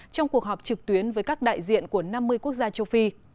trong cuộc họp trực tuyến với các đại diện của năm mươi quốc gia châu phi